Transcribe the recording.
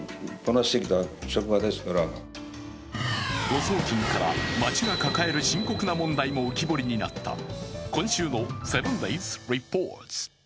誤送金から町が抱える深刻な問題も浮き彫りになった今週の「７ｄａｙｓリポート」。